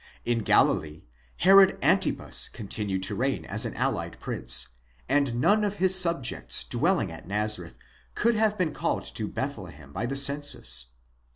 In Galilee Herod Antipas continued to reign as an allied prince, and none of his subjects dwelling at Nazareth could have been called to Bethlehem by the census.